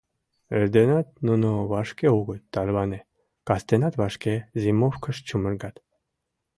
Эрденат нуно вашке огыт тарване, кастенат вашке зимовкыш чумыргат.